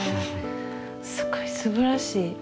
すごいすばらしい。